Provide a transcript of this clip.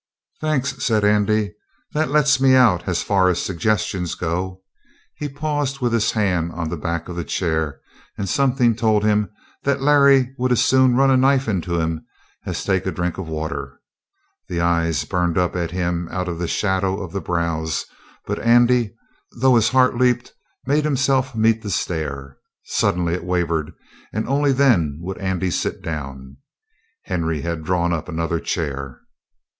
"Thanks," said Andy. "That lets me out as far as suggestions go." He paused with his hand on the back of the chair, and something told him that Larry would as soon run a knife into him as take a drink of water. The eyes burned up at him out of the shadow of the brows, but Andy, though his heart leaped, made himself meet the stare. Suddenly it wavered, and only then would Andy sit down. Henry had drawn up another chair.